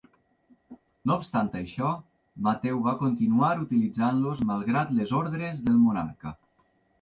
No obstant això, Mateu va continuar utilitzant-los malgrat les ordres del monarca.